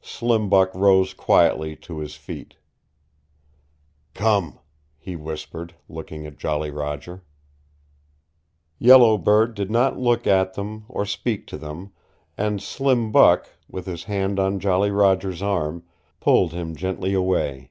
Slim Buck rose quietly to his feet. "Come," he whispered, looking at Jolly Roger, Yellow Bird did not look at them or speak to them, and Slim Buck with his hand on Jolly Roger's arm pulled him gently away.